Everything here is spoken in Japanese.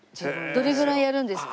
どれぐらいやるんですか？